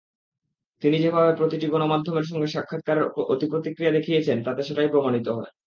তিনি যেভাবে প্রতিটি গণমাধ্যমের সঙ্গে সাক্ষাৎকারে অতি-প্রতিক্রিয়া দেখিয়েছেন, তাতে সেটাই প্রমাণিত হয়।